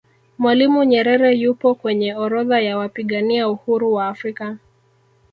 mwalimu nyerere yupo kwenye orodha ya wapigania uhuru wa afrika